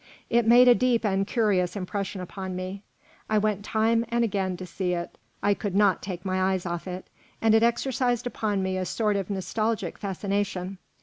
It made a deep and curious impression upon me; I went time and again to see it; I could not take my eyes off it, and it exercised upon me a sort of nostalgic fascination.